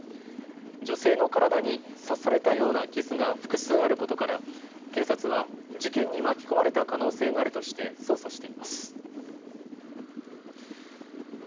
女性の体に刺されたような傷が複数あることから警察は事件に巻き込まれた可能性があるとして捜査しています。